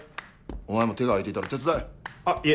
お前も手が空いていたら手伝え。